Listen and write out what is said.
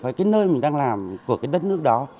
cái nơi mình đang làm của cái đất nước đó